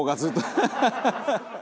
ハハハハ！